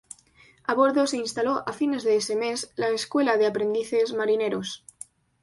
A bordo se instaló a fines de ese mes la Escuela de Aprendices Marineros.